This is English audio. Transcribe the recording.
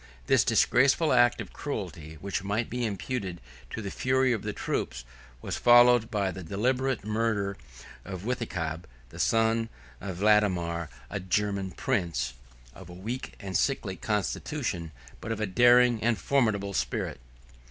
This disgraceful act of cruelty, which might be imputed to the fury of the troops, was followed by the deliberate murder of Withicab, the son of Vadomair; a German prince, of a weak and sickly constitution, but of a daring and formidable spirit.